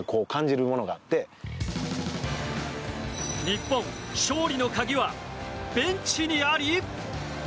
日本、勝利の鍵はベンチにあり？